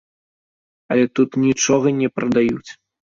Але тут нічога не прадаюць!